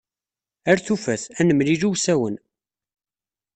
Ar tufat, ad nemlil iwsawen.